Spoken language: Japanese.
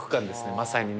まさにね